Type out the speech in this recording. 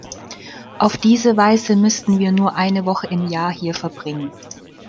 Auf diese Weise müssten wir nur eine Woche im Jahr hier verbringen.